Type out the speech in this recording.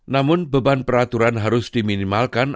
namun beban peraturan harus diminimalkan